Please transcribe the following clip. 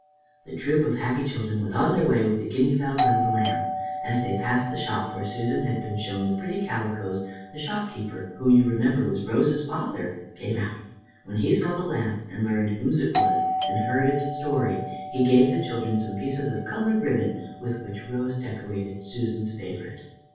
The troop of happy children went on their way with the guinea fowl and the lamb. As they passed the shop where Susan had been shown the pretty calicoes, the shopkeeper, who, you remember, was Rose's father, came out. When he saw the lamb, and learned whose it was and heard its story, he gave the children some pieces of colored ribbon, with which Rose decorated Susan's favorite.